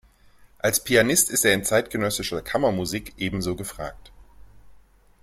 Als Pianist ist er in zeitgenössischer Kammermusik ebenso gefragt.